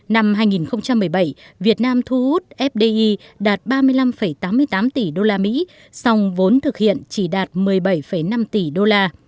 năm hai nghìn một mươi bảy việt nam thu hút fdi đạt ba mươi năm tám mươi tám tỷ usd song vốn thực hiện chỉ đạt một mươi bảy năm tỷ đô la